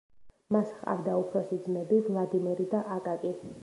მას ჰყავდა უფროსი ძმები: ვლადიმერი და აკაკი.